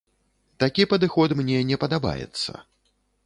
Такі падыход мне не падабаецца.